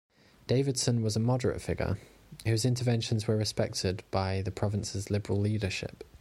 Davidson was a moderate figure, whose interventions were respected by the province's Liberal leadership.